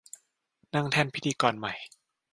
นั่งแท่นพิธีกรใหม่